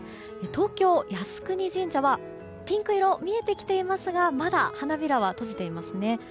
東京、靖国神社はピンク色見えてきていますがまだ、花びらは閉じていますね。